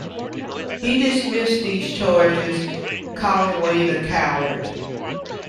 He dismissed these charges, calling Wade a coward.